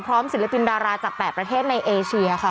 ศิลปินดาราจาก๘ประเทศในเอเชียค่ะ